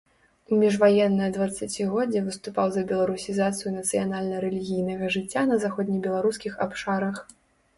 У міжваеннае дваццацігоддзе выступаў за беларусізацыю нацыянальна-рэлігійнага жыцця на заходнебеларускіх абшарах.